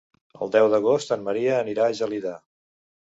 El deu d'agost en Maria anirà a Gelida.